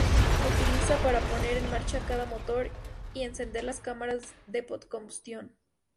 Se utiliza para poner en marcha cada motor y encender las cámaras de postcombustión.